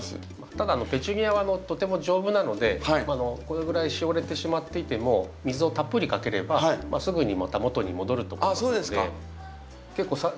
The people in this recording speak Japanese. ただペチュニアはとても丈夫なのでこれぐらいしおれてしまっていても水をたっぷりかければすぐにまた元に戻ると思いますので。